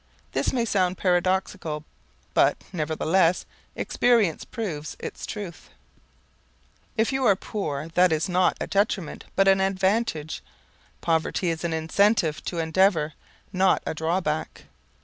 This may sound paradoxical, but, nevertheless, experience proves its truth. If you are poor that is not a detriment but an advantage. Poverty is an incentive to endeavor, not a drawback.